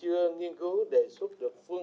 phúc tín thưa đồng bộ